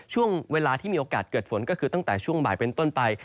ช่วงเวลาที่มีโอกาสเกิดฝนก็คือตั้งแต่ช่วงบ่ายเป็นต้นไป